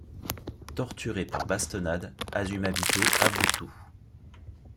Torturé par bastonnade, Azumabito avoue tout.